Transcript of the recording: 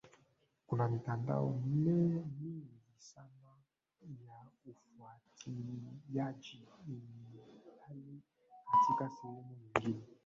kuna mitandao mingi sana ya ufuatiliaji ilhali katika sehemu nyingine